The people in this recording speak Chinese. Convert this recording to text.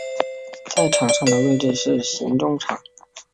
在场上的位置是型中场。